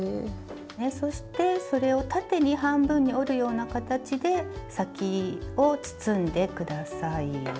そしてそれを縦に半分に折るような形で先を包んで下さい。